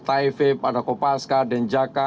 taifib ada kopaska denjaka